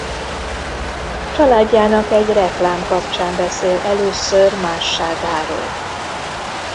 Családjának egy reklám kapcsán beszél először másságáról.